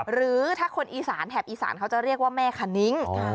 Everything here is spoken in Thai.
หรือถ้าคนอีสานแถบอีสานเขาจะเรียกว่าแม่คณิ้ง